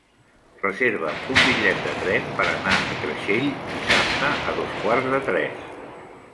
Reserva'm un bitllet de tren per anar a Creixell dissabte a dos quarts de tres.